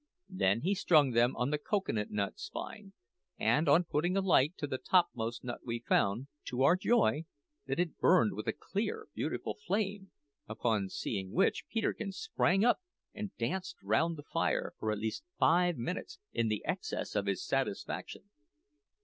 Then he strung them on the cocoa nut spine, and on putting a light to the topmost nut we found, to our joy, that it burned with a clear, beautiful flame, upon seeing which Peterkin sprang up and danced round the fire for at least five minutes in the excess of his satisfaction.